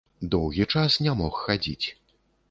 Доўгі час не мог хадзіць.